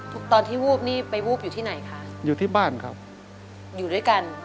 ตอนที่วูบนี่ไปวูบอยู่ที่ไหนคะอยู่ที่บ้านครับอยู่ด้วยกัน